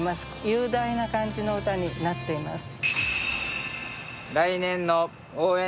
雄大な感じの歌になっています。